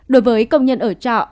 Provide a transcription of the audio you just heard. đối với công nhân ở trọ